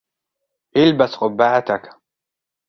البس قبّعتك.